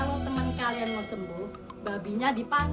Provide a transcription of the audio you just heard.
kalau teman kalian mau sembuh babinya dipakai